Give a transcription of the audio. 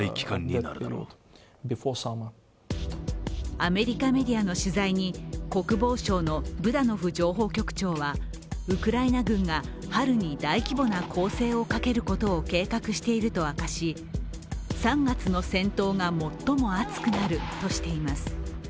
アメリカメディアの取材に、国防省のブダノフ情報局長はウクライナ軍が春に大規模な攻勢をかけることを計画していると明かし３月の戦闘が最も熱くなるとしています。